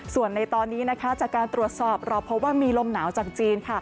ส่วนในตอนนี้จากการตรวจสอบเราพบว่ามีลมหนาวจากจีน